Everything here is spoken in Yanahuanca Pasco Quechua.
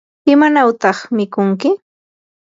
¿imawantaq mikunki?